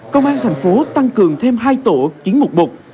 công an thành phố tăng cường thêm hai tổ chiến mục một